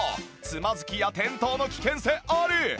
つまずきや転倒の危険性あり